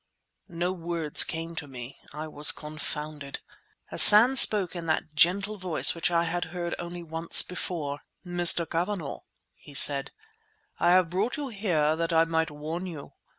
No words came to me; I was confounded. Hassan spoke in that gentle voice which I had heard only once before. "Mr. Cavanagh," he said, "I have brought you here that I might warn you.